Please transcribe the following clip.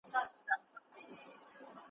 هر واعظ وي په صفت ستونی څیرلی ,